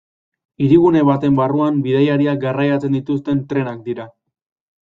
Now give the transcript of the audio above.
Hirigune baten barruan bidaiariak garraiatzen dituzten trenak dira.